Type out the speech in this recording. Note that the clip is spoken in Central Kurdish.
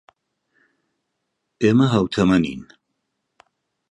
ئێمە ھاوتەمەنین.